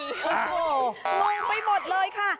โล่งไปหมดเลยค่ะ